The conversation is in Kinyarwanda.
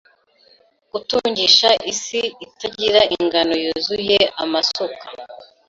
Gutungisha isi itagira ingano yuzuye amasuka